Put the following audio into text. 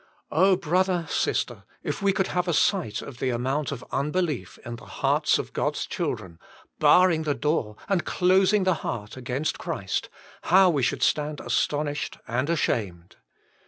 Oh I brother, sister, if we could have a sight of the amount of unbelief in the hearts of God's children, barring the door and closing the heart against Christ, how we should stand astonished and ashamed!